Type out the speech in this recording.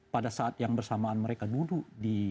pada saat yang bersamaan mereka duduk di